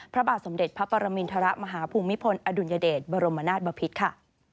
พระบาทสมเด็จพระปรมินทรมาฮภูมิพลอดุลยเดชบรมนาศบพิษค่ะ